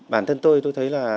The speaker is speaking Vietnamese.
bản thân tôi tôi thấy là